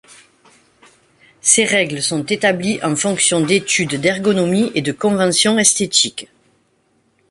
Ces règles sont établies en fonction d'études d'ergonomie et de conventions esthétiques.